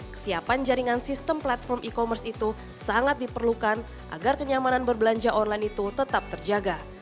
kesiapan jaringan sistem platform e commerce itu sangat diperlukan agar kenyamanan berbelanja online itu tetap terjaga